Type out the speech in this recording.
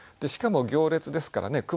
しかも行列ですからね